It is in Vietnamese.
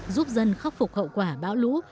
giúp dân khắc phục hậu quả bão lũ